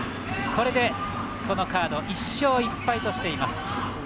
これで、このカード１勝１敗としています。